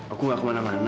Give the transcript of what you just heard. aku gak kemana mana